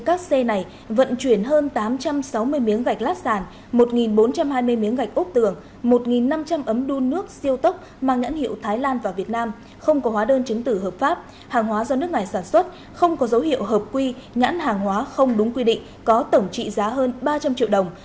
các xe này vận chuyển hơn tám trăm sáu mươi miếng gạch lát sàn một bốn trăm hai mươi miếng gạch ốp tường một năm trăm linh ấm đun nước siêu tốc mang nhãn hiệu thái lan và việt nam không có hóa đơn chứng tử hợp pháp hàng hóa do nước này sản xuất không có dấu hiệu hợp quy nhãn hàng hóa không đúng quy định có tổng trị giá hơn ba trăm linh triệu đồng